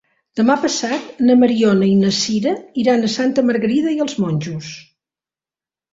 Demà passat na Mariona i na Sira iran a Santa Margarida i els Monjos.